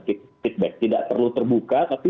feedback tidak perlu terbuka tapi